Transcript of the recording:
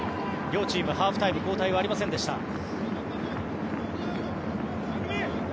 両チーム、ハーフタイム交代はありませんでした。